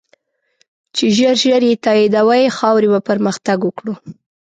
چی ژر ژر یی تایدوی ، خاوری به پرمختګ وکړو